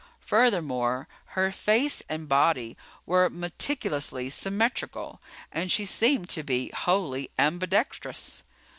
Furthermore, her face and body were meticulously symmetrical. And she seemed to be wholly ambidextrous.